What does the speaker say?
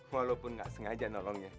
walaupun gak sengaja nolongnya